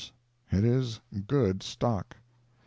It is good stock.